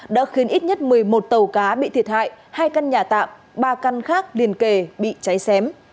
đã khiến ít nhất một mươi một tàu cá bị thiệt hại hai căn nhà tạm ba căn khác liền kề bị cháy xém